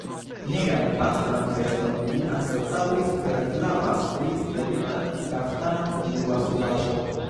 Nigran pastran veston li anstataŭis per flava strie stebita kaftano kun blua subaĵo.